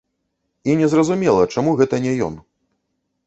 І незразумела, чаму гэта не ён.